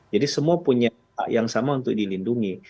semua punya hak yang sama untuk dilindungi